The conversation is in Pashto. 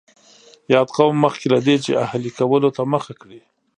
یاد قوم مخکې له دې چې اهلي کولو ته مخه کړي